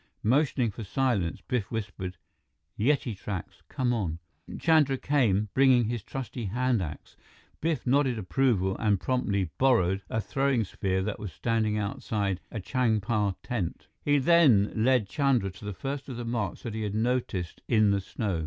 Motioning for silence, Biff whispered: "Yeti tracks! Come on!" Chandra came, bringing his trusty hand axe. Biff nodded approval and promptly "borrowed" a throwing spear that was standing outside a Changpa tent. He then led Chandra to the first of the marks that he had noticed in the snow.